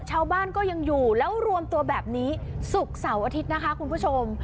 ชาวบ้านก็ยังอยู่แล้วรวมตัวแบบนี้ศุกร์เสาร์อาทิตย์นะคะคุณผู้ชม